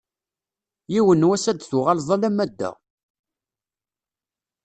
Yiwen n wass ad d-tuɣaleḍ alamma d da.